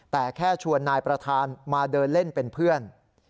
แต่แค่ชวนนายประธานมาเดินเล่นเป็นเพื่อน